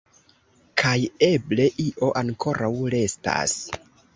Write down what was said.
Kaj eble io ankoraŭ restas?